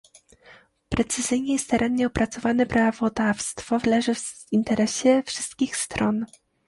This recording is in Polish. Precyzyjne i starannie opracowane prawodawstwo leży w interesie wszystkich stron